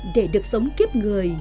để được sống kiếp người